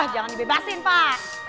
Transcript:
jangan dibebasin pak